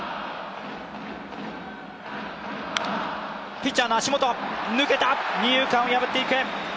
ピッチャーの足元、抜けた、二遊間を破っていく。